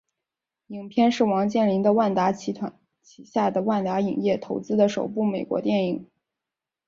影片是王健林的万达集团旗下的万达影业投资的首部美国电影。